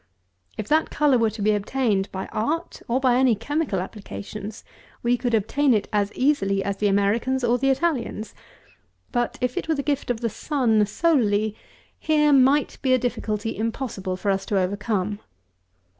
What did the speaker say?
If that colour were to be obtained by art, by any chemical applications, we could obtain it as easily as the Americans or the Italians; but, if it were the gift of the SUN solely, here might be a difficulty impossible for us to overcome.